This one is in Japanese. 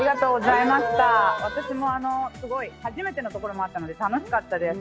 私も初めてのところもあったので、楽しかったです。